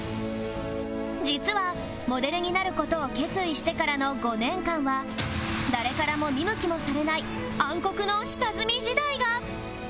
実はモデルになる事を決意してからの５年間は誰からも見向きもされない暗黒の下積み時代が！